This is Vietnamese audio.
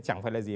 chẳng phải là gì